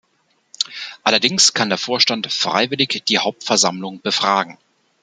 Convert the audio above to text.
Allerdings kann der Vorstand freiwillig die Hauptversammlung befragen.